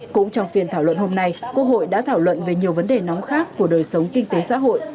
cũng trong phiên thảo luận hôm nay quốc hội đã thảo luận về nhiều vấn đề nóng khác của đời sống kinh tế xã hội